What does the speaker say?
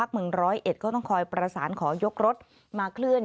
ก็ต้องคอยประสานขอยกรถมาคลื่น